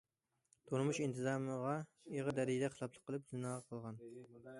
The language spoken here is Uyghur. تۇرمۇش ئىنتىزامىغا ئېغىر دەرىجىدە خىلاپلىق قىلىپ، زىنا قىلغان.